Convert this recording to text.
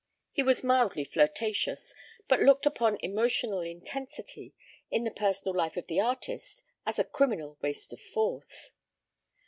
He was mildly flirtatious, but looked upon emotional intensity in the personal life of the artist as a criminal waste of force.